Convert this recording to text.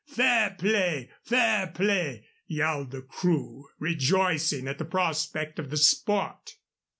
Fair play! fair play!" yelled the crew, rejoicing at the prospect of the sport.